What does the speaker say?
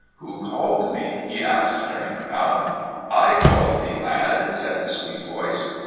"Who called me?" he asked, turning about. "I called thee, lad," said the sweet voice.